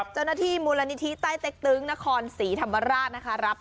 เจ้าหน้าที่มูลนิธิใต้เต็กตึงนครศรีธรรมราชนะคะ